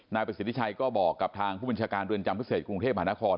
นายประสิทธิชัยก็บอกกับทางผู้บัญชาการเรือนจำพิเศษกรุงเทพหานคร